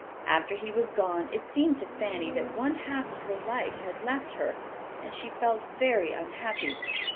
After he was gone, it seemed to Fanny that one half of her life had left her, and she felt very unhappy.